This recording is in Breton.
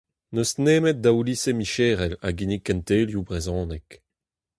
N'eus nemet daou lise micherel a ginnig kentelioù brezhoneg.